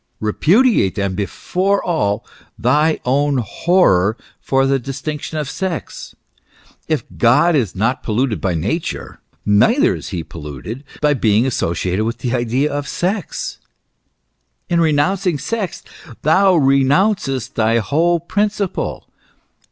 Repudiate then before all, thy own horror for the dis tinction of sex. If God is not polluted by Nature, neither is he polluted by being associated with the idea of sex. In renouncing sex, thou renouncest thy whole principle.